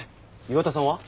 岩田さんは？